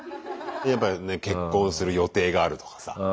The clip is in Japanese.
やっぱね結婚する予定があるとかさ。